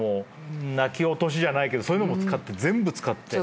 泣き落としじゃないけどそういうのも全部使って。